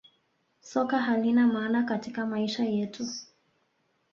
Soka halina maana katika maisha yetu